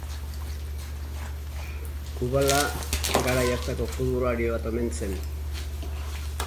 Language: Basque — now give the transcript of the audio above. Kubala garai hartako futbolari bat omen zen.